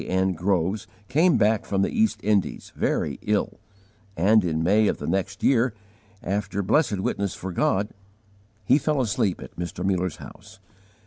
N. Groves, came back from the East Indies, very ill; and in May of the next year, after blessed witness for God, he fell asleep at Mr. Muller's house.